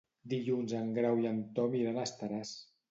Dilluns en Grau i en Tom iran a Estaràs.